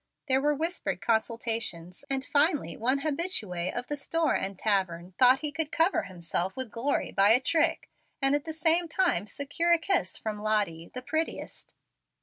There were whispered consultations, and finally one habitue of the store and tavern thought he could cover himself with glory by a trick, and at the same time secure a kiss from Lottie, the prettiest.